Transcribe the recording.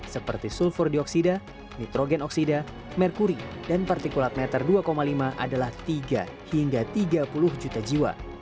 seperti sulfur dioksida nitrogen oksida merkuri dan partikulat meter dua lima adalah tiga hingga tiga puluh juta jiwa